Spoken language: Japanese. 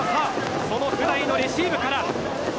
その布台のレシーブから。